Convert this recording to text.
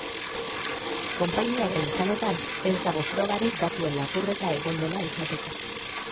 Konpainiaren esanetan, ez dago frogarik datuen lapurreta egon dela esateko.